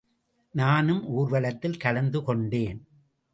நானும் ஊர்வலத்தில் கலந்து கொண்டேன்.